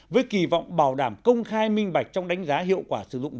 với kỳ vọng bảo đảm công khai minh bạch trong đánh giá hiệu quả sử dụng